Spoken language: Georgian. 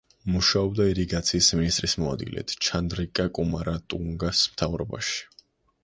მუშაობდა ირიგაციის მინისტრის მოადგილედ ჩანდრიკა კუმარატუნგას მთავრობაში.